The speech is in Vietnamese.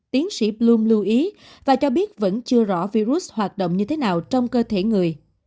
tiến sĩ blum lưu ý và cho biết vẫn chưa rõ virus hoạt động như thế nào trong cơ thể người